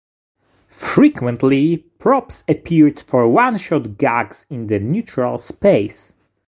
Frequently, props appeared for one-shot gags in the neutral space.